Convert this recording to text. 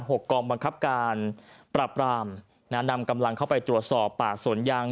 กองบังคับการปรับรามนะนำกำลังเข้าไปตรวจสอบป่าสวนยาง